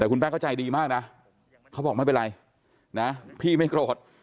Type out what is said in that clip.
แต่คุณป้าก็ใจดีมากนะเขาบอกไม่เป็นไรนะพี่ไม่โกรธ